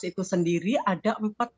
itu sendiri ada